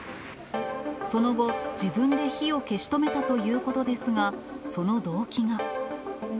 その後、自分で火を消し止めたということですが、その動機が。